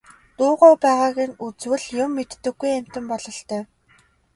Дуугүй байгааг нь үзвэл юм мэддэггүй амьтан бололтой.